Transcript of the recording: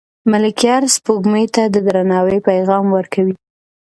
ملکیار سپوږمۍ ته د درناوي پیغام ورکوي.